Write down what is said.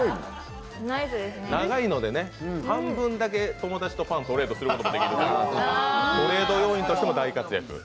長いのでね、半分だけ友達とパンをトレードもできるから、トレード要員としても大活躍。